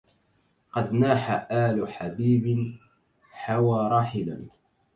قد ناح آل حبيب حوا راحلا